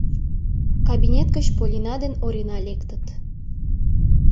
Кабинет гыч Полина ден Орина лектыт.